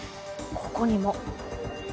ここにも。